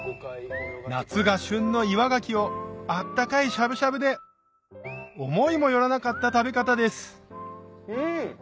夏が旬の岩ガキを温かいしゃぶしゃぶで思いも寄らなかった食べ方ですうん！